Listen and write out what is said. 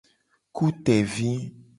Ku tevi.